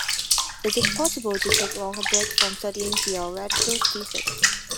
Is it possible to take longer break from studying theoretical physics?